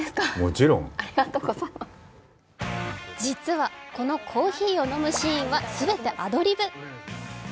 実はこのコーヒーを飲むシーンは全てアドリブ。